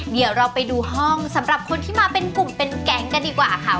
เดี๋ยวเราไปดูห้องสำหรับคนที่มาเป็นกลุ่มเป็นแก๊งกันดีกว่าค่ะ